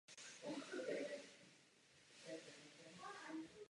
Sestoupil tým Hradce Králové.